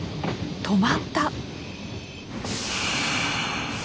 止まった。